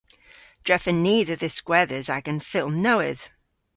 Drefen ni dhe dhiskwedhes agan fylm nowydh.